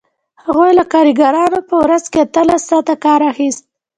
هغوی له کارګرانو په ورځ کې اتلس ساعته کار اخیست